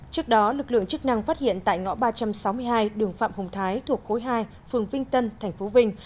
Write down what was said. trước đó lực lượng chức năng phát hiện tại ngõ ba trăm sáu mươi hai đường phạm hồng thái thuộc khối hai phường vinh tân tp vinh